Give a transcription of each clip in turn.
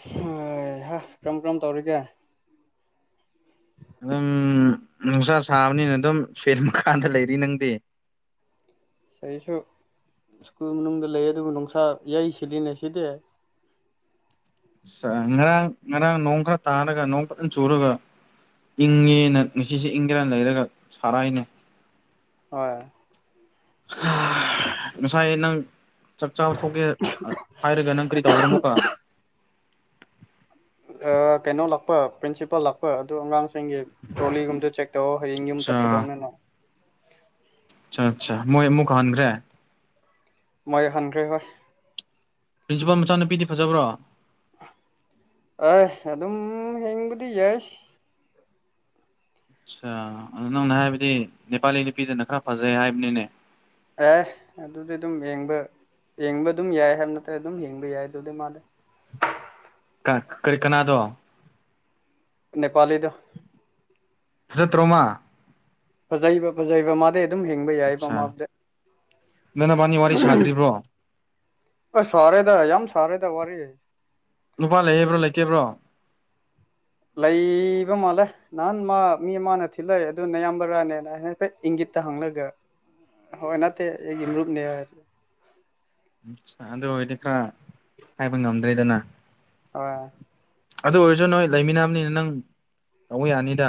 ꯍꯩꯍ ꯀꯔꯝ ꯀꯔꯝ ꯇꯧꯔꯤꯒꯦ ꯑꯗꯨꯝ ꯅꯨꯡꯁꯥ ꯁꯥꯕꯅꯤꯅ ꯑꯗꯨꯝ ꯁꯔꯃ ꯀꯥꯟꯗ ꯂꯩꯔꯤ ꯅꯪꯗꯤ ꯑꯩꯁꯨ ꯁ꯭ꯀꯨꯜ ꯃꯅꯨꯡꯗ ꯂꯩ ꯑꯗꯨꯕꯨ ꯅꯨꯡꯁꯥ ꯌꯩ ꯁꯤꯜꯂꯤꯅꯦ ꯁꯤꯗꯤ [unintelligible] ꯉꯔꯥꯡ ꯉꯔꯥꯡ ꯅꯣꯡ ꯈꯔ ꯇꯥꯔꯒ ꯅꯣꯡ ꯈꯔꯛꯇꯪ ꯆꯨꯔꯒ ꯏꯪꯉꯦꯅ ꯉꯁꯤꯁꯦ ꯏꯪꯒꯦꯔ ꯂꯩꯔꯒ ꯁꯥꯔꯥꯏꯅꯦ ꯍꯣꯏ ꯉꯁꯥꯏ ꯅꯪ ꯆꯥꯛ ꯆꯥꯕ ꯊꯣꯛꯀꯦ ꯍꯥꯏꯔꯒ ꯅꯪ ꯀꯔꯤ ꯇꯧꯔꯝꯃꯣꯀ ꯑ ꯀꯩꯅꯣ ꯂꯥꯛꯄ ꯄ꯭ꯔꯤꯟꯁꯤꯄꯥꯜ ꯂꯥꯛꯄꯣꯏ ꯑꯗꯨ ꯑꯉꯥꯡꯁꯤꯡꯒꯤ ꯇ꯭ꯔꯣꯂꯤꯒꯨꯝꯗꯨ ꯆꯦꯛ ꯇꯧ ꯍꯌꯦꯡ ꯌꯨꯝ ꯑꯆꯥ ꯆꯠꯀꯗꯧꯅꯤꯅ ꯑꯆꯥ ꯑꯠꯆꯥ ꯃꯣꯏ ꯑꯃꯨꯛ ꯍꯟꯈ꯭ꯔꯦ ꯃꯣꯏ ꯍꯟꯈ꯭ꯔꯦ ꯍꯣꯏ ꯄ꯭ꯔꯤꯟꯁꯤꯄꯥꯜ ꯃꯆꯥꯅꯨꯄꯤꯗꯤ ꯐꯖꯕ꯭ꯔꯣ ꯑꯦ ꯑꯗꯨꯝ ꯍꯦꯡꯕꯗꯤ ꯌꯥꯏ ꯑꯆꯥ ꯑꯗꯨ ꯅꯪꯅ ꯍꯥꯏꯕꯗꯤ ꯅꯦꯄꯥꯂꯤ ꯅꯨꯄꯤꯗꯅ ꯈꯔ ꯐꯖꯩ ꯍꯥꯏꯕꯅꯤꯅꯦ ꯑꯦ ꯑꯗꯨꯗꯤ ꯑꯗꯨꯝ ꯌꯦꯡꯕ ꯌꯦꯡꯕ ꯑꯗꯨꯝ ꯌꯥꯏ ꯍꯥꯏꯕ ꯅꯠꯇꯦ ꯑꯗꯨꯝ ꯌꯦꯡꯕ ꯌꯥꯏ ꯑꯗꯨꯗꯤ ꯃꯥꯂꯦ ꯀꯔꯤ ꯀꯅꯥꯗꯣ ꯅꯦꯄꯥꯂꯤꯗꯣ ꯆ ꯊ ꯔꯣꯃ ꯐꯖꯩꯕ ꯐꯖꯩꯕ ꯃꯥꯗꯤ ꯑꯗꯨꯝ ꯍꯤꯡꯕ ꯌꯥꯏ ꯑꯆꯥ ꯃꯃꯥꯗ ꯅꯣꯏ ꯅꯕꯥꯅꯤ ꯋꯥꯔꯤ ꯁꯥꯗ꯭ꯔꯤꯕ꯭ꯔꯣ ꯑ ꯁꯔꯦꯗ ꯍꯥꯏꯖ ꯁꯔꯦꯗ ꯋꯥꯔꯤꯔ ꯍꯥꯏ ꯅꯨꯄꯥ ꯂꯩꯌꯦꯕ꯭ꯔꯣ ꯂꯩꯀꯦꯕ꯭ꯔꯣ ꯂꯩꯕ ꯃꯥꯜꯂꯦ ꯅꯍꯥꯟ ꯃꯥ ꯃꯤ ꯃꯥꯅ ꯊꯤꯜꯂꯛꯑꯦ ꯑꯗꯨꯅꯌꯥꯝꯕ꯭ꯔꯥꯅꯦꯅ ꯍꯥꯏ ꯍꯥꯏꯐꯦ ꯏꯪꯒꯤꯠ ꯇ ꯍꯥꯡꯂꯒ ꯍꯅꯇ ꯑꯩꯒꯤ ꯃ꯭ꯔꯨꯨꯞꯅꯦ ꯑ ꯑꯗꯨ ꯑꯣꯏꯔꯗꯤ ꯈꯔ ꯍꯥꯏꯕ ꯉꯝꯗ꯭ꯔꯦꯗꯅ ꯍꯣꯏ ꯑꯗꯨ ꯑꯣꯏꯔꯁꯨ ꯅꯣꯏ ꯂꯩꯃꯤꯟꯅꯕꯅꯤꯅ ꯅꯪ ꯇꯧꯕ ꯌꯥꯅꯤꯗ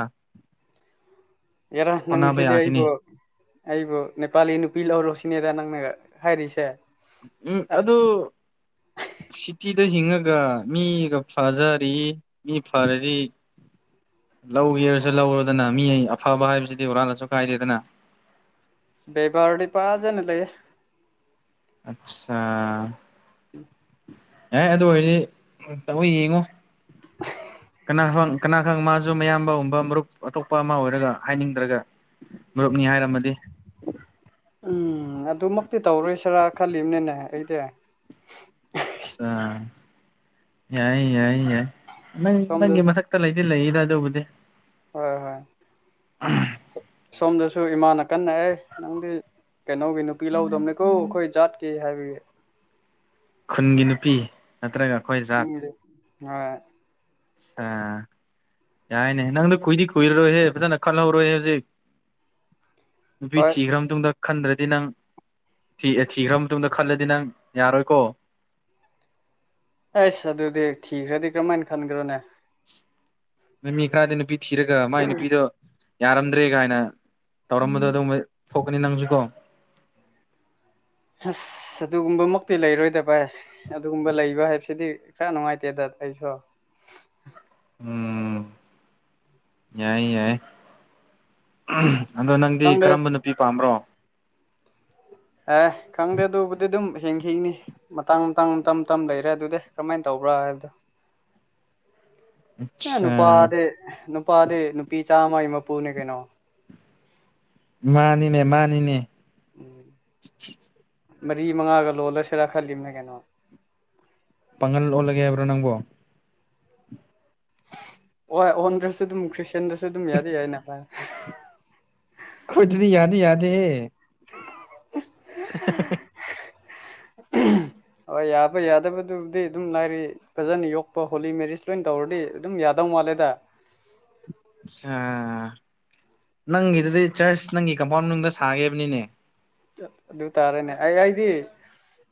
ꯌꯦꯔ ꯍꯣꯠꯅꯕ ꯅꯪꯁꯤꯗꯕꯨ ꯌꯥꯈꯤꯅꯤ ꯑꯩꯕꯨ ꯅꯦꯄꯥꯂꯤ ꯅꯨꯄꯤ ꯂꯧꯔꯨꯁꯤꯅꯦꯗ ꯅꯪꯅ ꯍꯥꯏꯔꯤꯁꯦ ꯎꯝ ꯑꯗꯨ ꯁꯤꯇꯤ ꯑꯛꯇ ꯍꯤꯡꯉꯒ ꯃꯤꯒ ꯐꯖꯔꯤ ꯃꯤ ꯐꯔꯗꯤ ꯂꯧꯒꯦꯔꯁꯨ ꯂꯧꯔꯨꯗꯅ ꯃꯤ ꯑꯐꯕ ꯍꯥꯏꯕꯁꯤꯗꯤ ꯍꯨꯔꯥꯜꯂꯁꯨ ꯀꯥꯏꯗꯦꯗꯅ ꯕꯕꯥꯔꯗꯤ ꯄꯥꯖꯅ ꯂꯩꯦꯦ ꯑꯆꯥ ꯎꯝ [unintelligible] [inaudible] ꯑꯦ ꯑꯗꯨ ꯑꯣꯏꯔꯗꯤ ꯇꯧ ꯌꯦꯡꯉꯣ ꯀꯅꯥꯕꯪ ꯀꯅꯥꯒꯪ ꯃꯥꯁꯨ ꯃꯌꯥꯝꯕꯒꯨꯝꯕ ꯃꯔꯨꯞ ꯑꯇꯣꯞꯄ ꯑꯃ ꯑꯣꯏꯔꯒ ꯍꯥꯏꯅꯤꯡꯗ꯭ꯔꯒ ꯃꯔꯨꯞꯅꯤ ꯍꯥꯏꯔꯝꯃꯗꯤ ꯎꯝ ꯑꯗꯨꯃꯛꯇꯤ ꯇꯧꯔꯣꯏꯁꯤꯔꯥ ꯈꯜꯂꯤꯕꯅꯤꯅꯦ ꯑꯩꯗꯤ ꯌꯥꯏ ꯌꯥꯏ ꯌꯥ ꯅꯪ ꯁꯣꯝꯗ ꯅꯪꯒꯤ ꯃꯊꯛꯇ ꯂꯩꯗꯤ ꯂꯩꯔꯤꯗ ꯑꯗꯨꯕꯨꯗꯤ ꯍꯣꯏ ꯍꯣꯏ ꯎ [unintelligible] [inaudible] ꯁꯣꯝꯗꯁꯨ ꯏꯃꯥꯅ ꯀꯟꯅ ꯑꯦ ꯅꯪꯗꯤ ꯀꯩꯅꯣꯒꯤ ꯅꯨꯄꯤ ꯂꯧꯗꯗꯝꯕꯅꯦꯀꯣ ꯑꯩꯈꯣꯏ ꯖꯥꯠꯀꯤ ꯍꯥꯏꯕꯒꯤ ꯈꯨꯟꯒꯤ ꯅꯨꯄꯤ ꯅꯠꯇ꯭ꯔꯒ ꯑꯩꯈꯣꯏ ꯎꯝ ꯑ ꯑꯆꯥ ꯌꯥꯏꯅꯦ ꯅꯪꯗ ꯀꯨꯏꯗꯤ ꯀꯨꯏꯔꯔꯣꯏꯍꯦ ꯐꯖꯅ ꯈꯜꯍꯧꯔꯣꯏꯍꯦ ꯍꯧꯖꯤꯛ ꯐ ꯍꯣꯏ ꯊꯈ ꯔꯝ ꯇꯗ ꯈꯟꯗ꯭ꯔꯗꯤ ꯅꯪ ꯊꯤ ꯊꯤꯈ꯭ꯔ ꯃꯇꯨꯡꯗ ꯈꯜꯂꯗꯤ ꯅꯪ ꯌꯥꯔꯣꯏꯀꯣ ꯑꯩꯁ ꯑꯗꯨꯗꯤ ꯊꯤꯈ꯭ꯔꯗꯤ ꯀꯔꯝꯍꯥꯏꯅ ꯈꯟꯈ꯭ꯔꯣꯅꯦ ꯅꯨꯃꯤ ꯈꯔꯗꯤ ꯅꯨꯄꯤ ꯊꯤꯔꯒ ꯃꯥꯏ ꯅꯨꯄꯤꯗꯣ ꯌꯥꯔꯝꯗ꯭ꯔꯦ ꯀꯥꯏꯅ ꯇꯧꯔꯝꯕꯗꯣ ꯑꯗꯨ ꯊꯣꯛꯀꯅꯤ ꯅꯪꯁꯨꯀꯣ ꯑꯁ ꯑꯗꯨꯒꯨꯝꯕꯃꯛꯇꯤ ꯂꯩꯔꯣꯏꯗ ꯚꯥꯏ ꯑꯗꯨꯒꯨꯝꯕ ꯂꯩꯕ ꯍꯥꯏꯕꯁꯤꯗꯤ ꯈꯔ ꯅꯨꯡꯉꯥꯏꯇꯦꯗ ꯑꯩꯁꯨ ꯎꯝ ꯌꯥꯏ ꯌꯥꯏ ꯑꯗꯣ ꯅꯪꯗꯤ ꯈꯪꯗꯦ ꯀꯔꯝꯕ ꯅꯨꯄꯤ ꯄꯥꯝꯕ꯭ꯔꯣ ꯑꯦ ꯈꯪꯗꯦ ꯑꯗꯨꯕꯨꯗꯤ ꯑꯗꯨꯝ ꯍꯦꯡꯈꯤꯅꯤ ꯃꯇꯥꯡ ꯃꯇꯥꯡꯝ ꯇꯝ ꯂꯩꯔꯦ ꯑꯗꯨꯗꯤ ꯀꯔꯝꯃꯥꯏꯅ ꯇꯧꯕ꯭ꯔꯥ ꯍꯥꯏꯕꯗꯣ ꯑ ꯑꯠꯁꯥ ꯅꯨꯄꯥꯗ ꯅꯨꯄꯥ ꯅꯨꯄꯥꯗ ꯅꯨꯄꯤ ꯆꯥꯝꯃ ꯑꯩ ꯃꯄꯨꯅꯦ ꯀꯩꯅꯣ ꯃꯥꯅꯤꯅꯦ ꯃꯥꯅꯤꯅꯦ ꯃꯔꯤ ꯃꯉꯥꯒ ꯂꯣꯜꯂꯁꯤꯔ ꯈꯜꯂꯤꯝꯅꯦ ꯀꯩꯅꯣ ꯄꯥꯡꯒꯜ ꯑꯣꯜꯂꯒꯦ ꯍꯥꯏꯕ꯭ꯔꯣ ꯅꯪꯕꯣ ꯍꯣꯏ ꯑꯣꯟꯗ꯭ꯔꯁꯨ ꯑꯗꯨꯝ ꯈ꯭ꯔꯤꯁꯇꯌꯥꯟꯗꯁꯨ ꯑꯗꯨꯝ ꯌꯥꯗꯤ ꯌꯥꯏꯑꯦꯅ ꯚꯥꯏ ꯈꯣꯏꯗꯗꯤ ꯌꯥꯗꯤ ꯌꯥꯗꯦꯍꯦ [unintelligible] ꯎꯝ [unintelligible] ꯍꯣꯏ ꯌꯥꯕ ꯌꯥꯗꯕꯗꯨꯕꯨꯗꯤ ꯑꯗꯨꯝ ꯂꯥꯏꯔꯤ ꯐꯖꯅ ꯌꯣꯛꯄ ꯍꯣꯂꯤ ꯃꯦꯔꯤꯖ ꯂꯣꯏꯅ ꯇꯧꯔꯗꯤ ꯑꯗꯨꯝ ꯌꯥ ꯌꯥꯗꯧ ꯃꯥꯜꯂꯦꯗ ꯅꯪꯒꯤꯗꯨꯗꯤ ꯆꯥ꯭ꯔꯁ ꯅꯪꯒꯤ ꯀꯝꯄꯥꯎꯟ ꯃꯅꯨꯡꯗ ꯁꯥꯒꯦ ꯍꯥꯏꯕꯅꯤꯅꯦ ꯑꯗꯨ ꯇꯥꯔꯦꯅꯦ ꯑꯩ ꯑꯩꯗꯤ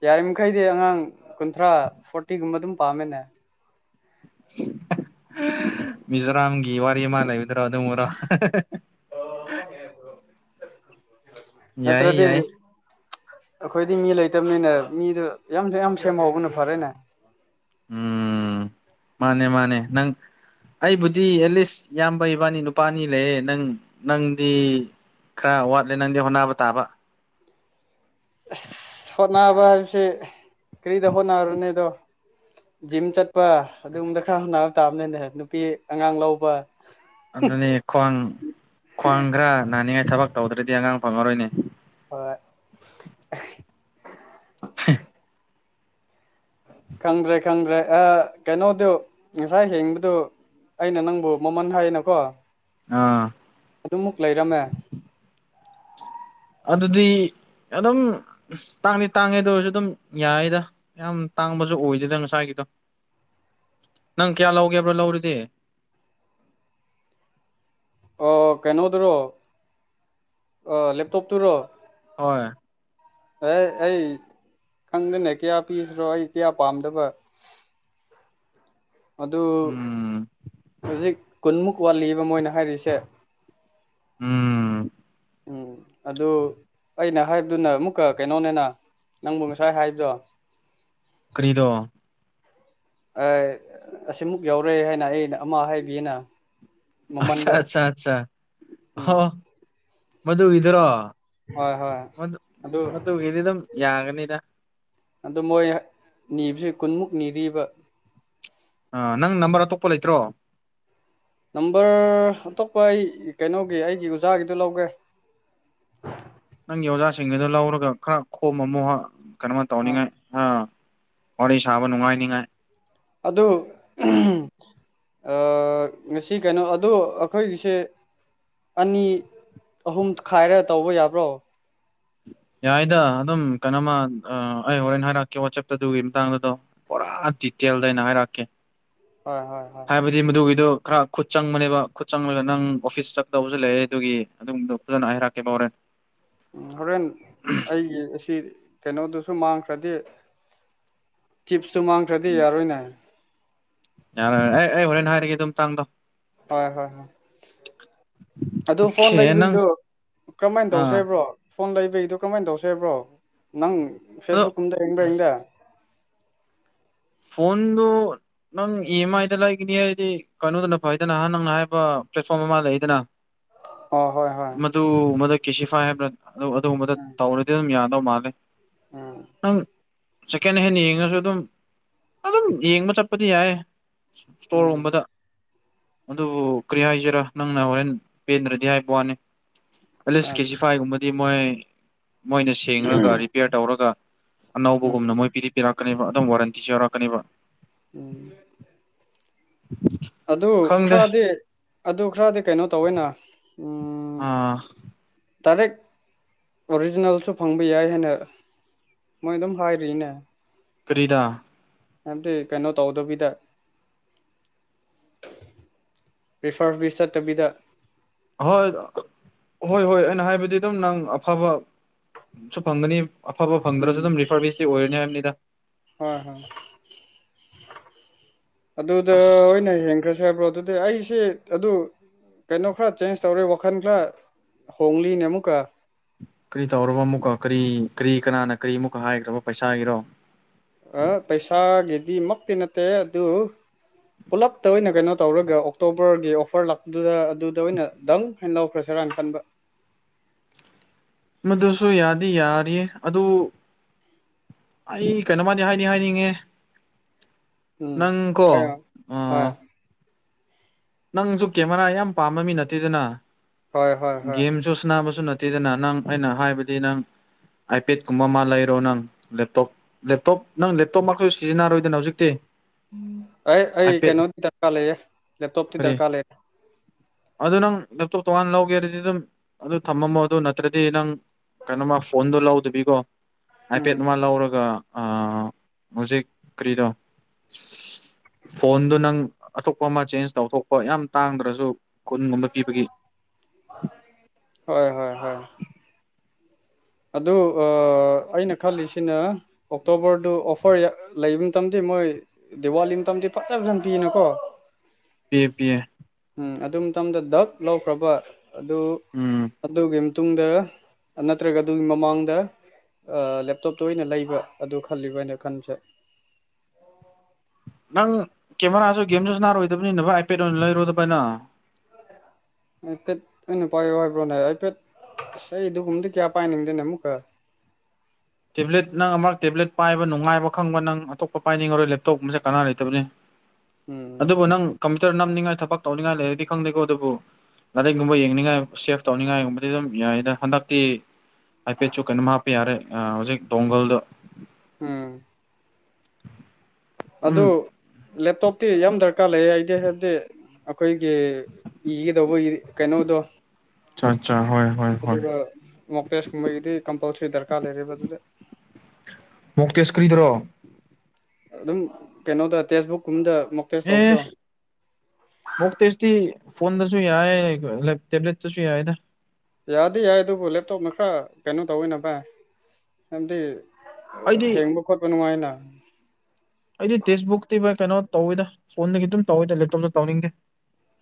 ꯌꯥꯔꯤꯃꯈꯩꯗꯤ ꯑꯉꯥꯡ ꯀꯨꯟꯊ꯭ꯔꯥ ꯐꯣꯔꯇꯤꯒꯨꯝꯕ ꯑꯗꯨꯝ ꯄꯥꯝꯃꯦꯅꯦ ꯃꯤꯖꯣꯔꯥꯝꯒꯤ ꯋꯥꯔꯤ ꯑꯃ ꯂꯩꯕꯗꯨꯔꯣ ꯑꯗꯨꯝꯕꯥꯔꯣ ꯑꯣ ꯍ [unintelligible] ꯌꯥꯏ ꯌꯥꯏ ꯑꯩꯈꯣꯏꯗꯤ ꯃꯤ ꯂꯩꯇꯕꯅꯤꯅ ꯃꯤꯗꯣ ꯌꯥꯝꯁꯨ ꯌꯥꯝ ꯁꯦꯝꯍꯧꯕꯅꯦ ꯐꯔꯦꯅꯦ ꯎꯝ ꯃꯥꯅꯦ ꯃꯥꯅꯦ ꯅꯪ ꯑꯩꯕꯨꯗꯤ ꯑꯦꯠꯂꯤꯁ ꯏꯌꯥꯝꯕ ꯏꯕꯥꯅꯤ ꯅꯨꯄꯥ ꯑꯅꯤ ꯂꯩꯌꯦ ꯅꯪ ꯅꯪꯗꯤ ꯈꯔ ꯋꯥꯠꯂꯦ ꯅꯪꯗꯤ ꯍꯣꯠꯅꯕ ꯇꯥꯕ ꯑꯁ ꯍꯣꯠꯅꯕ ꯍꯥꯏꯕꯁꯦ ꯀꯔꯤꯗ ꯍꯣꯠꯅꯔꯨꯅꯤ ꯑꯗꯣ ꯖꯤꯝ ꯆꯠꯄ ꯑꯗꯨꯒꯨꯝꯕꯗ ꯈꯔ ꯍꯣꯠꯅꯕ ꯇꯥꯕꯅꯤꯅꯦ ꯅꯨꯄꯤ ꯑꯉꯥꯡ ꯂꯧꯕ ꯑꯗꯨꯅꯦ ꯈ꯭ꯋꯥꯡ ꯈ꯭ꯋꯥꯡ ꯈꯔ ꯅꯥꯅꯤꯡꯉꯥꯏ ꯊꯕꯛ ꯇꯧꯗ꯭ꯔꯗꯤ ꯑꯉꯥꯡ ꯐꯪꯉꯥꯔꯣꯏꯅꯦ ꯑ [unintelligible] [unintelligible] ꯈꯪꯗ꯭ꯔꯦ ꯈꯪꯗ꯭ꯔꯦ ꯑ ꯀꯩꯅꯣꯗꯣ ꯉꯁꯥꯏ ꯌꯦꯡꯕꯗꯣ ꯑꯩꯅ ꯅꯪꯕꯨ ꯃꯃꯟ ꯍꯥꯏꯅ ꯀꯣ ꯑꯥ ꯑꯗꯨꯃꯨꯛ ꯂꯩꯔꯝꯃꯦ ꯑꯗꯨꯗꯤ ꯑꯗꯨꯝ ꯇꯥꯡꯗꯤ ꯇꯥꯡꯉꯦꯗꯣ ꯑꯗꯨ ꯑꯣꯏꯔꯁꯨ ꯑꯗꯨꯝ ꯌꯥꯔꯦꯗ ꯌꯥꯝ ꯇꯥꯡꯕꯁꯨ ꯑꯣꯏꯗꯦꯗꯥ ꯉꯁꯥꯏꯒꯤꯗꯣ [unintelligible] [inaudible] ꯅꯪ ꯀꯌꯥ ꯂꯧꯒꯦꯕ꯭ꯔꯣ ꯂꯧꯔꯗꯤ [unintelligible] [inaudible] ꯑꯣ ꯀꯩꯅꯣꯗꯨꯔꯣ ꯑ ꯂꯦꯞꯇꯣꯞ ꯇꯨꯔꯣ ꯍꯣꯏ ꯑꯦ ꯑꯩ ꯈꯪꯗꯦꯅꯦ ꯀꯌꯥ ꯄꯤꯕꯅꯣ ꯑꯩ ꯀꯌꯥ ꯄꯥꯝꯗꯕ [unintelligible] [inaudible] ꯑꯗꯨ ꯎꯝ ꯍꯧꯖꯤꯛ ꯀꯨꯟꯃꯨꯛ ꯋꯥꯠꯂꯤꯕ ꯃꯣꯏꯅ ꯍꯥꯏꯔꯤꯁꯦ ꯎꯝ ꯎꯝ ꯑꯗꯨ ꯑꯩꯅ ꯍꯥꯏꯕꯗꯨꯅ ꯑꯃꯨꯛꯀ ꯀꯩꯅꯣꯅꯤꯅ ꯅꯪꯕꯨ ꯉꯁꯥꯏ ꯍꯥꯏꯕꯗꯣ ꯀ꯭ꯔꯤꯔꯣ ꯑꯁꯤꯃꯨꯛ ꯌꯥꯎꯔꯦ ꯍꯥꯏꯅ ꯑꯩꯅ ꯑꯃ ꯍꯥꯏꯕꯤꯌꯦꯅ ꯑꯆꯥ ꯃꯃꯟꯗꯣ ꯑꯆꯥ ꯑꯆꯥ ꯎꯝ ꯑꯣ ꯃꯗꯨꯒꯤꯗꯨꯔꯣ ꯍꯣꯏ ꯍꯣꯏ ꯃꯗꯨ ꯑꯗꯨ ꯃꯗꯨꯒꯤꯗꯤ ꯑꯗꯨꯝ ꯌꯥꯒꯅꯤꯗ ꯑꯗꯣ ꯃꯣꯏ ꯅꯤꯕꯁꯦ ꯃꯣꯏ ꯀꯨꯟꯃꯨꯛ ꯅꯤꯔꯤꯕ ꯑ ꯅꯪ ꯅꯝꯕꯔ ꯑꯇꯣꯞꯄ ꯂꯩꯇ꯭ꯔꯣ ꯅꯝꯕꯔ ꯑꯇꯣꯞꯄ ꯑꯩ ꯀꯩꯅꯣꯒꯤ ꯑꯩꯒꯤ ꯑꯣꯖꯥꯒꯤꯗꯣ ꯂꯧꯒꯦ [unintelligible] ꯅꯪꯒꯤ ꯑꯣꯖꯥꯁꯤꯡꯒꯤꯗꯨ ꯂꯧꯔꯒ ꯈꯔ ꯈꯣꯝꯃꯝꯃꯣ ꯀꯩꯅꯣꯃ ꯇꯧꯅꯤꯡꯉꯥꯏ ꯑ ꯋꯥꯔꯤ ꯁꯥꯥꯕ ꯅꯨꯡꯉꯥꯏ ꯅꯤꯡꯉꯥꯏ ꯑꯗꯨ ꯉꯁꯤ ꯀꯩꯅꯣ ꯑꯗꯨ ꯑꯩꯈꯣꯏꯒꯤꯁꯦ ꯑꯅꯤ ꯑꯍꯨꯝ ꯈꯥꯏꯔꯒ ꯇꯧꯕ ꯌꯥꯕ꯭ꯔꯣ ꯌꯥꯏꯗ ꯑꯗꯨꯝ ꯀꯩꯅꯣꯃ ꯑꯩ ꯍꯣꯔꯦꯟ ꯍꯥꯏꯔꯛꯀꯦ ꯋꯥꯆꯦꯞꯇ ꯑꯗꯨꯒꯤ ꯃꯇꯥꯡꯗꯨꯗꯣ ꯄꯨꯔꯥ ꯗꯤꯇꯦꯜꯗꯩꯅ ꯍꯥꯏꯔꯛꯀꯦ ꯍꯣꯏ ꯍꯣꯏ ꯍꯣꯏ ꯍꯥꯏꯕꯗꯤ ꯃꯗꯨꯒꯤꯗꯨ ꯈꯔ ꯈꯨꯠ ꯆꯪꯕꯅꯦꯕ ꯈꯨꯠ ꯆꯪꯂꯒ ꯅꯪ ꯑꯣꯐꯤꯁ ꯆꯗꯕꯁꯨ ꯂꯩꯔꯦ ꯑꯗꯨꯒꯤ ꯑꯗꯨꯗꯣ ꯐꯖꯅ ꯑꯩ ꯍꯥꯏꯔꯛꯀꯦ ꯐꯥꯎꯔꯦ ꯍꯣꯔꯦꯟ ꯑꯩꯒꯤ ꯑꯁꯤ ꯀꯩꯅꯣꯗꯨꯁꯨ ꯃꯥꯡꯈ ꯈ꯭ꯔꯗꯤ ꯆꯤꯞꯁꯨ ꯃꯥꯡꯈ꯭ꯔꯗꯤ ꯌꯥꯔꯣꯏꯅꯦ ꯌꯥꯔꯦ ꯑꯦ ꯑꯩ ꯍꯣꯔꯦꯟ ꯍꯥꯏꯔꯤꯒꯦ ꯑꯗꯨꯝ ꯆꯥꯡꯗꯣ ꯍꯣꯏ ꯍꯣꯏ ꯑꯗꯨ ꯐꯣꯟ ꯑꯣꯀꯦ ꯅꯪ ꯂꯩꯕꯒꯤꯗꯨꯣ ꯀꯔꯝꯍꯥꯏꯅ ꯇꯧꯁ ꯑꯥ ꯍꯥꯏꯕ꯭ꯔꯣ ꯐꯣꯟ ꯂꯩꯕꯩꯗꯨꯣ ꯀꯔꯃꯍꯥꯏꯅ ꯇꯧꯁ ꯍꯥꯏꯕ꯭ꯔꯣ ꯅꯪ ꯑꯗꯣ ꯐꯦꯁꯕꯨꯛ ꯀꯨꯝꯗ ꯌꯦꯡꯕ꯭ꯔꯥ ꯌꯡꯗꯦ ꯐꯣꯟꯣꯟꯗꯨ ꯅꯪ ꯏ ꯑꯦꯝ ꯑꯥꯏꯗ ꯂꯩꯈꯤꯅꯤ ꯍꯥꯏꯗꯤ ꯀꯩꯅꯣꯗꯅ ꯐꯩꯗꯅ ꯅꯍ ꯅꯪꯅ ꯍꯥꯏꯕ ꯄ꯭ꯂꯦꯠꯐꯣꯝ ꯑꯃ ꯂꯩꯗꯅ ꯑꯣ ꯍꯣꯏ ꯍꯣꯏ ꯃꯗꯨꯕꯗ ꯀꯦꯁꯤꯐꯥꯏ ꯍꯥꯏꯕ꯭ꯔ ꯑꯗꯨꯒꯨꯝꯕꯗ ꯎꯝ ꯇꯧꯔꯗꯤ ꯑꯗꯨꯝ ꯌꯥꯅꯤ ꯇꯧ ꯃꯥꯂꯦ ꯎꯝ ꯅꯪ ꯁꯦꯀꯦꯟ ꯍꯦꯟ ꯌꯦꯡꯉꯁꯨ ꯑꯗꯨꯝ ꯑꯗꯨꯝ ꯌꯦꯡꯕ ꯆꯠꯄꯗꯤ ꯌꯥꯏ ꯎꯝ ꯏꯁꯇꯣꯔꯒꯨꯝꯕꯗ ꯑꯗꯨꯕꯨ ꯀꯔꯤ ꯍꯥꯏꯁꯤꯔꯥ ꯅꯪꯅ ꯍꯣꯔꯦꯟ ꯄꯦꯟꯗ꯭ꯔꯗꯤ ꯍꯥꯏꯕ ꯋꯥꯅꯤ ꯑꯆꯥ ꯑꯦꯂꯤꯁ ꯑꯆꯥ ꯀꯦꯖꯤ ꯐꯥꯏꯒꯨꯝꯕꯗꯤ ꯃꯣꯏ ꯃꯣꯏꯅ ꯁꯦꯡꯉꯒ ꯔꯤꯄꯤꯦꯌꯔ ꯇꯧꯔꯒ ꯎꯝ ꯑꯅꯧꯕꯒꯨꯝꯅ ꯃꯣꯏ ꯄꯤꯗꯤ ꯄꯤꯔꯛꯀꯅꯤꯕ ꯑꯗꯨꯝ ꯋꯥꯔꯟꯇꯤꯁꯨ ꯌꯥꯎꯔ ꯀꯅꯤꯕ ꯎꯝ ꯑꯗꯨ ꯈꯪꯗꯦ ꯈꯔꯗꯤ ꯑꯗꯨ ꯈꯔꯗꯤ ꯀꯩꯅꯣ ꯇꯧꯋꯦꯅ ꯑꯥ ꯇꯔꯦꯠ ꯑꯣꯔꯤꯖꯤꯅꯦꯜꯁꯨ ꯐꯪꯕ ꯌꯥꯏ ꯍꯥꯏꯅ ꯃꯣꯏ ꯑꯗꯨꯝ ꯍꯥꯏꯔꯤꯅꯦ ꯀꯔꯤꯗꯥ ꯍꯥꯏꯝꯗꯤ ꯀꯩꯅꯣ ꯇꯧꯗꯕꯤꯗ ꯔꯤꯐꯔ ꯔꯤꯁ ꯆꯠꯇꯕꯤꯗ ꯍꯣꯏ ꯍꯣꯏ ꯍꯣꯏ ꯑꯩꯅ ꯍꯥꯏꯕꯗꯤ ꯑꯗꯨꯝ ꯅꯪ ꯑꯐꯕ ꯁꯨ ꯐꯡꯒꯅꯤ ꯑꯐꯕ ꯐꯪꯗ꯭ꯔꯁꯨ ꯎꯝ ꯑꯗꯨꯝ ꯔꯤꯐꯔ ꯕꯤꯁꯇꯤ ꯑꯣꯏꯔꯅꯤ ꯍꯥꯏꯕꯅꯤꯗ ꯍꯣꯏ ꯍꯣꯏ ꯑꯗꯨꯗ ꯑꯣꯏꯅ ꯍꯦꯟꯈ꯭ꯔꯁ ꯍꯥꯏꯕ꯭ꯔꯣ ꯑꯗꯨꯗꯤ ꯑꯩꯁꯦ ꯑꯗꯨ ꯀꯩꯅꯣ ꯈꯔ ꯆꯦꯟꯖ ꯇꯧꯔꯦ ꯋꯥꯈꯜ ꯈꯔ ꯍꯣꯡꯂꯤꯅꯦ ꯑꯃꯨꯛꯀ ꯀꯔꯤ ꯇꯧꯔꯕ ꯑꯃꯨꯛꯀ ꯀꯔꯤ ꯀꯔꯤ ꯀꯅꯥꯅ ꯀꯔꯤ ꯑꯃꯨꯛꯀ ꯍꯥꯏꯈ꯭ꯔꯕ ꯄꯩꯁꯥꯒꯤꯔꯣ ꯑ ꯄꯩꯁꯥꯒꯤꯗꯤ ꯃꯛꯇꯤ ꯅꯠꯇꯦ ꯑꯗꯨ ꯄꯨꯂꯞꯇ ꯑꯣꯏꯅ ꯀꯩꯅꯣ ꯇꯧꯔꯒ ꯑꯣꯛꯇꯣꯕꯔꯒꯤ ꯑꯣꯐꯔ ꯂꯥꯛꯄꯗꯨꯗ ꯑꯗꯨꯗ ꯑꯣꯏꯅꯪ ꯗꯡ ꯍꯥꯏꯅ ꯂꯧꯈ꯭ꯔ ꯁꯤꯔ ꯨꯔꯥꯟ ꯈꯟꯕ ꯃꯗꯨꯁꯨ ꯌꯥꯗꯤ ꯌꯥꯔꯤ ꯑꯗꯨ ꯑꯩ ꯀꯩꯅꯣꯃꯗꯤ ꯍꯥꯏꯅꯤ ꯍꯥꯏꯅꯤꯡꯉꯦ ꯎꯝ ꯅꯪꯀꯣ ꯍꯣꯏ ꯑ ꯅꯪꯁꯨ ꯀꯦꯃꯦꯔꯥ ꯌꯥꯝ ꯄꯥꯝꯕ ꯃꯤ ꯅꯠꯇꯦꯗꯅ ꯍꯣꯏ ꯍꯣꯏ ꯍꯣꯏ ꯒꯦꯝꯁꯨ ꯁꯕꯁꯨ ꯅꯠꯇꯦ ꯠꯇꯤꯗꯅ ꯅꯪ ꯑꯩꯅ ꯍꯥꯏꯕꯗꯤ ꯅꯪ ꯑꯥꯏꯄꯦꯗꯀꯨꯝꯕ ꯑꯃ ꯂꯩꯔꯣ ꯅꯪ ꯂꯦꯞꯇꯣꯞ ꯂꯦꯞꯇꯣꯞ ꯅꯪ ꯂꯦꯞꯇꯣꯞꯃꯛꯛꯇꯩꯁꯨ ꯁꯤꯖꯤꯟꯅꯔꯣꯏꯗꯅ ꯍꯧꯖꯤꯛꯇꯤ ꯑꯩ ꯑꯩ ꯑꯥꯏꯄꯦꯗ ꯀꯩꯅꯣꯗꯤ ꯗꯔꯀꯥꯔ ꯂꯩꯌꯦ ꯂꯦꯞꯇꯣꯞꯇꯤ ꯀꯔꯤ ꯗꯔꯀꯥꯔ ꯂꯩꯔꯦ ꯑꯗꯨ ꯅꯪ ꯂꯦꯞꯇꯣꯞ ꯇꯣꯉꯥꯟ ꯂꯧꯒꯦꯔꯗꯤ ꯑꯗꯨꯝ ꯑꯗꯨ ꯊꯝꯃꯝꯃꯣ ꯑꯗꯨ ꯅꯠꯇ꯭ꯔꯗꯤ ꯅꯪ ꯀꯩꯅꯣꯃ ꯐꯣꯟꯗꯣ ꯂꯧꯗꯕꯤꯀꯣ ꯎꯝ ꯍꯥꯏꯐꯦꯠ ꯃꯥ ꯂꯧꯔꯒ ꯑ ꯍꯧꯖꯤꯛ ꯀꯔꯤꯗꯣ ꯐꯣꯟꯗꯨ ꯅꯪ ꯑꯇꯣꯞꯄ ꯑꯃ ꯆꯦꯟꯖ ꯇꯧꯊꯣꯛꯄ ꯌꯥꯝ ꯇꯥꯡꯗ꯭ꯔꯁꯨ ꯈꯨꯨꯟꯒꯨꯝꯕ ꯄꯤꯕꯒꯤ ꯍꯣꯏ ꯍꯣꯏ ꯍꯣꯏ ꯑꯗꯨ ꯑꯩꯅ ꯈꯜꯂꯤꯁꯤꯅ ꯑꯣꯛꯇꯣꯕꯔꯗꯨ ꯑꯣꯐꯔ ꯂꯩꯕ [unintelligible] ꯃꯣꯏ ꯗꯤꯋꯥꯂꯤ ꯃꯇꯝꯗꯤ ꯐꯖꯜ ꯐꯖꯜ ꯄꯤꯅ ꯀꯣ ꯄꯤꯌꯦ ꯄꯤꯌꯦ ꯎꯝ ꯑꯗꯨ ꯃꯇꯝꯗ ꯗꯛ ꯂꯧꯈ꯭ꯔꯕ ꯑꯗꯨ ꯎꯝ ꯑꯗꯨꯒꯤ ꯃꯇꯨꯡꯗ ꯅꯠꯇ꯭ꯔꯒ ꯑꯗꯨꯒꯤ ꯃꯃꯥꯡꯗ ꯂꯦꯞꯇꯣꯞꯇ ꯑꯣꯏꯅ ꯂꯩꯕ ꯑꯗꯨ ꯈꯜꯂꯤꯕ ꯑꯩꯅ ꯈꯟꯕꯁꯨ ꯅꯪ ꯀꯦꯃꯦꯔꯥꯁꯨ ꯒꯦꯝꯁꯨꯁꯨ ꯅꯥꯔꯣꯏꯗꯕꯅꯤꯅꯕ ꯑꯥꯏꯄꯦꯗ ꯑꯣꯏꯅ ꯂꯩꯔꯣꯏꯗꯕꯅ ꯍꯥꯏꯐꯦꯠ ꯑꯩꯅ ꯄꯥꯏꯌ ꯍꯥꯏꯕ꯭ꯔꯣꯅꯦ ꯍꯥꯏꯐꯦꯠ ꯁ ꯑꯗꯨꯒꯒꯨꯝꯗꯤ ꯀꯌꯥ ꯄꯥꯏꯅꯤꯡꯗꯦꯅ ꯑꯃꯨꯛꯀ ꯇꯦꯕ꯭ꯂꯦꯠ ꯅꯪ ꯑꯃꯛ ꯇꯦꯕ꯭ꯂꯦꯠ ꯄꯥꯏꯕ ꯅꯨꯡꯉꯥꯏꯕ ꯈꯪꯕ ꯅꯪ ꯑꯇꯣꯞꯄ ꯄꯥꯏꯅꯤꯡꯉꯔꯣꯏ ꯂꯦꯞꯇꯣꯞ ꯃꯁꯦ ꯀꯅꯥ ꯂꯩꯇꯕꯅꯤ ꯎꯝ ꯑꯗꯨꯕꯨ ꯅꯪ ꯀꯝꯄ꯭ꯌꯨꯇꯔ ꯅꯝꯅꯤꯡꯉꯥꯏ ꯊꯕꯛ ꯇꯧꯅꯤꯡꯉꯥꯏ ꯂꯩꯔꯗꯤ ꯈꯪꯗꯦꯀꯣ ꯑꯗꯨꯕꯨ ꯒꯥꯔꯤꯒꯨꯝꯕ ꯌꯦꯡꯅꯤꯡꯉꯥꯏ ꯁꯦꯞ ꯇꯧꯅꯤꯡꯉꯥꯏꯒꯨꯝꯕꯗꯤ ꯑꯗꯨꯝ ꯌꯥꯏ ꯑꯗ ꯍꯟꯗꯛꯇꯤ ꯍꯥꯏꯐꯦꯠꯁꯨ ꯀꯩꯅꯣꯝ ꯍꯥꯞꯄ ꯑ ꯌꯥꯔꯦ ꯍꯧꯖꯤꯛ ꯇꯣꯡꯒꯜꯗ ꯎꯝ ꯎꯝ ꯑꯗꯣ ꯂꯦꯞꯇꯣꯞꯇꯤ ꯌꯥꯝ ꯗꯔꯀꯥꯔ ꯂꯩ ꯑꯩꯗꯤ ꯍꯥꯏꯕꯗꯤ ꯑꯈꯣꯏꯒꯤ ꯏꯒꯗꯧꯕ ꯀꯩꯅꯣꯗꯣ ꯑꯆꯥ ꯑꯆꯥ ꯍꯣꯏ ꯍꯣꯏ ꯍꯣꯏ ꯑꯗꯨꯒ ꯃꯄꯦꯁ ꯀꯨꯝꯕꯩꯒꯤꯗꯤ ꯀꯝꯄꯜꯁꯔꯤ ꯗꯔꯀꯥꯔ ꯂꯩꯔꯤꯕ ꯑꯗꯨꯗ ꯃꯨꯛꯇꯦꯁ ꯀꯔꯤꯗ꯭ꯔꯣ ꯑꯗꯨꯝ ꯀꯩꯅꯣꯗ ꯇꯦꯛꯁꯕꯨꯛꯀꯨꯝꯗ ꯑꯦ ꯃꯣꯛ ꯇꯦꯁꯇꯤ ꯐꯣꯟꯗꯁꯨ ꯌꯥꯏ ꯀ ꯂꯦꯞ ꯇꯦꯕ꯭ꯂꯦꯠꯇꯁꯨ ꯌꯥꯏꯗ ꯌꯥꯗꯤ ꯌꯥꯏ ꯑꯗꯨꯕꯨ ꯂꯦꯞꯇꯣꯞꯅ ꯈꯔ ꯀꯩꯅꯣ ꯇꯧꯋꯦꯅ ꯚꯥꯏ ꯑꯩꯗꯤ ꯍꯦꯡꯕ ꯈꯣꯠꯄ ꯅꯨꯡꯉꯥꯏꯅ ꯑꯩꯗꯤ ꯇꯦꯛꯁꯕꯨꯛꯇꯤ ꯚꯥꯏ ꯀꯩꯅꯣ ꯇꯧꯋꯤꯗ ꯐꯣꯟꯗꯒꯤ ꯑꯗꯨꯝ ꯇꯧꯋꯏꯗ ꯂꯦꯞꯇꯣꯞꯇ ꯇꯧꯅꯤꯡꯗꯦ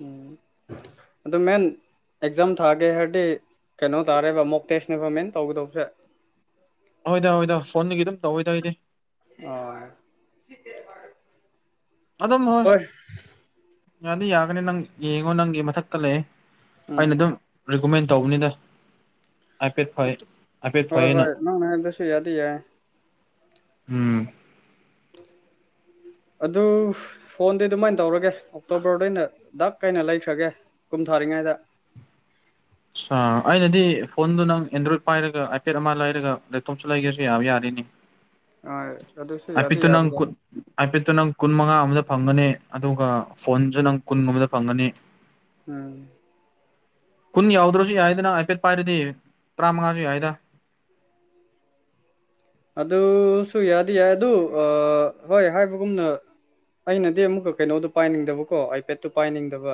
ꯎꯝ ꯑꯗꯣ ꯃꯦꯟ ꯑꯦꯛꯖꯥꯝ ꯊꯥꯒꯦ ꯍꯥꯏꯔꯗꯤ ꯀꯩꯅꯣ ꯇꯥꯔꯦꯕ ꯃꯣꯛ ꯇꯦꯁꯅꯦꯕ ꯃꯦꯟ ꯇꯧꯒꯗꯧꯕꯁꯦ ꯍꯣꯏꯗꯥ ꯍꯣꯏꯗꯥ ꯐꯣꯟꯗꯒꯤ ꯑꯗꯨꯝ ꯇꯧꯏꯗ ꯑꯩꯗꯤ ꯑꯣ ꯑꯗꯨꯝ ꯍꯣꯏ ꯌꯥꯗꯤ ꯌꯥꯒꯅꯤ ꯅꯪ ꯌꯦꯡꯉꯣ ꯅꯪꯒꯤ ꯃꯊꯛꯇ ꯂꯩ ꯑꯩꯅ ꯎꯝ ꯑꯗꯨꯝ ꯔꯤꯀꯣꯃꯦꯟ ꯇꯧꯕꯅꯤꯗ ꯍꯥꯏꯐꯦꯠ ꯐꯩ ꯍꯥꯏꯐꯦꯠ ꯍꯣꯏ ꯐꯩꯌꯦꯅ ꯍꯣꯏ ꯅꯪꯅ ꯍꯥꯏꯕꯗꯨꯁꯨ ꯌꯥꯗꯤ ꯌꯥꯏ ꯎꯝ ꯑꯗꯨ ꯐ ꯐꯣꯟꯗꯤ ꯑꯗꯨꯃꯥꯏꯅ ꯇꯧꯔꯒꯦ ꯑꯣꯛꯇꯣꯕꯔꯗꯩꯅ ꯗꯛ ꯀꯩꯅ ꯂꯩꯈ꯭ꯔꯒꯦ ꯀꯨꯝ ꯊꯥꯔꯤꯉꯩꯗ ꯁ ꯑꯩꯅꯗꯤ ꯐꯣꯟꯗꯨ ꯅꯪ ꯑꯦꯟꯗ꯭ꯔꯣꯏꯗ ꯄꯥꯏꯔꯒ ꯑꯥꯏꯄꯦꯗ ꯑꯃ ꯂꯩꯔꯒ ꯂꯦꯞꯇꯣꯞꯁꯨ ꯂꯩꯒꯁꯨ ꯌꯥꯕ ꯌꯥꯔꯅꯤ ꯑꯥ ꯑꯗꯨꯁꯨ ꯌꯥꯗꯤ ꯑꯥꯏꯄꯦꯠꯇꯣ ꯅꯪ ꯌꯥꯕꯖꯥꯠꯅꯤ ꯑꯥꯏꯄꯦꯠ ꯇꯣ ꯅꯪ ꯀꯨꯟꯃꯉꯥꯗ ꯐꯪꯒꯅꯤ ꯑꯗꯨꯒ ꯐꯣꯟꯁꯨ ꯅꯪ ꯀꯨꯟꯒꯨꯝꯕꯗ ꯐꯪꯒꯅꯤ ꯎꯝ ꯀꯨꯟ ꯌꯥꯎꯗ꯭ꯔꯁꯨ ꯌꯥꯏꯗꯅ ꯍꯥꯏꯐꯦꯠ ꯄꯥꯏꯔꯗꯤ ꯇꯔꯥꯃꯉꯥꯁꯨ ꯌꯥꯏꯗ ꯑꯟꯑꯣꯗꯤꯕꯜ ꯑꯗꯨꯁꯨ ꯌꯥꯗꯤ ꯌꯥꯏ ꯑꯗꯨ ꯑ ꯍꯣꯏ ꯍꯥꯏꯕꯒꯨꯝꯅ ꯑꯩꯅꯗꯤ ꯑꯃꯨꯛꯀ ꯀꯩꯅꯣꯗꯣ ꯄꯥꯏꯅꯤꯡꯗꯕꯀꯣ ꯑꯥꯏꯄꯦꯗꯠꯇꯣ ꯄꯥꯏꯅꯤꯡꯗꯕ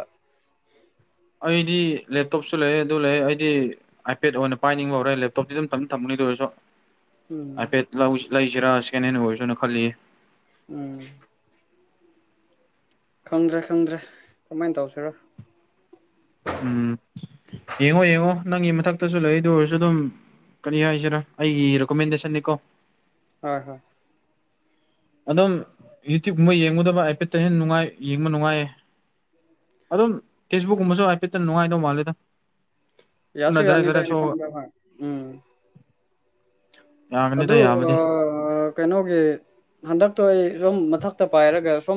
ꯑꯩꯗꯤ ꯂꯦꯞꯇꯣꯞꯁꯨ ꯂꯩ ꯑꯗꯨ ꯂꯩ ꯑꯩꯗꯤ ꯑꯥꯏꯄꯦꯗ ꯑꯣꯏꯅ ꯄꯥꯏꯅꯤꯡꯕ ꯍꯧꯔꯦ ꯂꯦꯞꯇꯣꯞꯇꯤ ꯑꯗꯨꯝ ꯇꯞ ꯊꯝ ꯑꯣꯏꯔꯁꯨ ꯎꯝ ꯍꯥꯏꯐꯦꯠ ꯂꯧ ꯂꯩꯁꯤꯔꯥ ꯁꯦꯀꯦꯟ ꯍꯦꯟ ꯑꯣꯏꯔꯁꯅ ꯈꯜꯂꯤꯌꯦ ꯎꯝ ꯈꯪꯗ꯭ꯔꯦ ꯈꯪꯗ꯭ꯔꯦ ꯀꯃꯥꯏꯅ ꯇꯧꯁꯤꯔꯣ ꯎꯝ ꯌꯦꯡꯉꯣ ꯌꯦꯡꯉꯣ ꯅꯪꯒꯤ ꯃꯊꯛꯇꯁꯨ ꯂꯩꯗ ꯑꯣꯏꯔꯁꯨ ꯑꯗꯨꯝ ꯀꯔꯤ ꯍꯥꯏꯁꯤꯔꯥ ꯑꯩꯒꯤ ꯔꯤꯀꯣꯃꯦꯟꯗꯦꯁꯟꯅꯅꯤꯀꯣ ꯍꯣꯏ ꯍꯣꯏ ꯑꯗꯨꯝ ꯌꯨꯇ꯭ꯌꯨꯕꯀꯨꯝꯕ ꯌꯦꯡꯒꯗꯕ ꯍꯥꯏꯐꯦꯠꯠꯇ ꯍ ꯅꯨꯡꯉꯥꯏ ꯌꯦꯡꯕ ꯅꯨꯡꯉꯥꯏꯌꯦ ꯑꯗꯨꯝ ꯐꯦꯛꯁꯕꯨꯛꯀꯨꯝꯕꯁꯨ ꯍꯥꯏꯐꯦꯠꯇꯪ ꯅꯨꯡꯉꯥꯏꯗꯧ ꯃꯥꯜꯂꯦꯗ ꯌꯥꯁꯨ ꯈꯨꯠꯅ ꯗꯥꯏꯔꯦꯛ ꯗꯥꯏꯔꯦꯛ ꯌꯥꯅꯤꯗꯅꯦ ꯁꯣꯛꯑꯒ ꯈꯗ ꯎꯝ ꯌꯥꯒꯅꯤꯗ ꯑꯗꯨ ꯌꯥꯕꯗꯤ ꯑ ꯀꯩꯅꯣꯒꯤ ꯍꯟꯗꯛꯇꯣ ꯑꯩ ꯁꯨꯝ ꯃꯊꯛꯇ ꯄꯥꯏꯔꯒ ꯁꯨꯝ